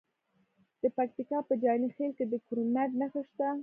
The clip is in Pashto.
د پکتیکا په جاني خیل کې د کرومایټ نښې شته.